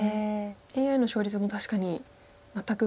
ＡＩの勝率も確かに全く。